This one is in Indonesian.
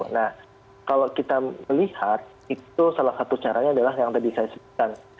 nah kalau kita melihat itu salah satu caranya adalah yang tadi saya sebutkan